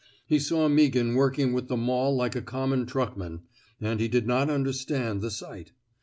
He saw Meaghan working with the maul like a common truckman, and he did not understand the sight.